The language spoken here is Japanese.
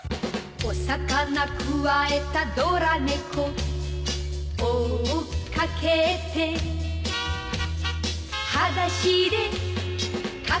「お魚くわえたドラ猫」「追っかけて」「はだしでかけてく」